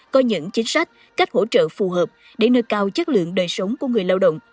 có những chính sách cách hỗ trợ phù hợp để nơi cao chất lượng đời sống của người lao động